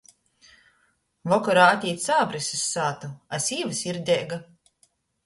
Vokorā atīt sābris iz sātu, a sīva sirdeiga.